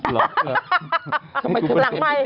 หลังไหว